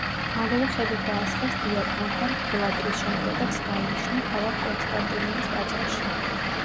მალევე ხელი დაასხეს დიაკვნად და მღვდლად, რის შემდეგაც დაინიშნა ქალაქ კონსტანტინოვის ტაძარში.